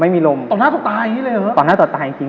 ไม่มีลมตอนหน้าต่อตายจริง